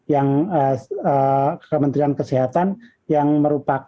yang kementerian kesehatan yang merupakan